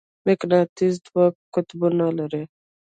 مقناطیس دوه قطبونه لري.